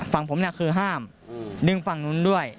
ฝั่งผมเนี่ยคือห้ามดึงฝั่งนู้นด้วย